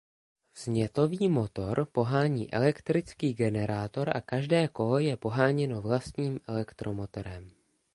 Vznětový motor pohání elektrický generátor a každé kolo je poháněno vlastním elektromotorem.